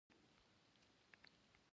ژبه د ملي هویت ژبه ده